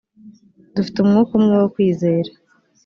dufite umwuka umwe wo kwizera